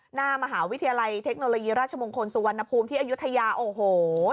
หน้ามหาวิทยาลัยเทคโนโลยีราชมงคลสุวรรณภูมิที่อายุทยาโอ้โห